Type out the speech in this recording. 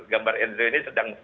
gambar enzo ini sedang